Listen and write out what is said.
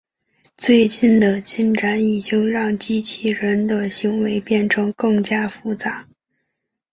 最近的进展已经让机器人的行为变成更加复杂。